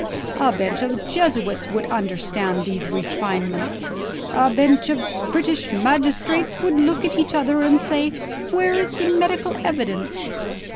A bench of Jesuits would understand these refinements. A bench of British magistrates would look at each other, and say: Where is the medical evidence?